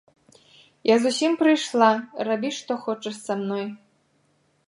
Я зусім прыйшла, рабі што хочаш са мной.